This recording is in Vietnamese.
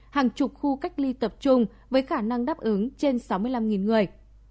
hàng chục khu cách ly tập trung với khả năng đáp ứng trên sáu mươi năm người